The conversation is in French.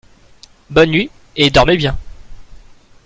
Bonne nuit et dormez bien !